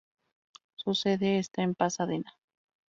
Su sede está en Pasadena.